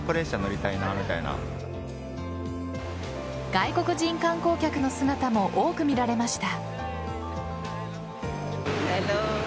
外国人観光客の姿も多く見られました。